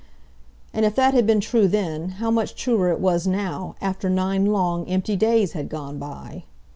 And if that had been true then, how much truer it was now—after nine long, empty days had gone by?